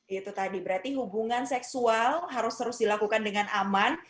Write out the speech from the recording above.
itu tadi berarti hubungan seksual harus terus dilakukan dengan aman